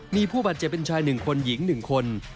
มีผู้บาดเจ็บเป็นชายหนึ่งคนหญิงหนึ่งคน